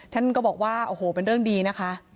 ท่านก็บอกว่าโอ้โหเป็นเรื่องดีนะคะ